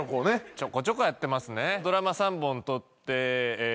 ちょこちょこやってますね。